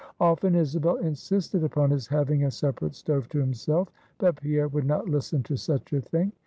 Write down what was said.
Often, Isabel insisted upon his having a separate stove to himself; but Pierre would not listen to such a thing.